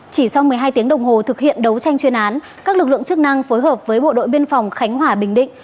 chỉ sau một mươi hai tiếng đồng hồ thực hiện đấu tranh chuyên án các lực lượng chức năng phối hợp với bộ đội biên phòng khánh hòa bình định